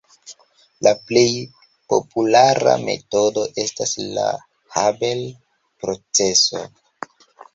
La plej populara metodo estas la Haber-proceso.